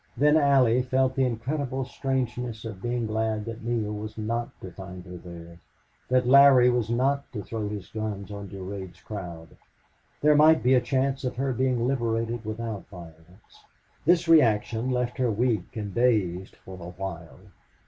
Then Allie felt the incredible strangeness of being glad that Neale was not to find her there that Larry was not to throw his guns on Durade's crowd. There might be a chance of her being liberated without violence. This reaction left her weak and dazed for a while.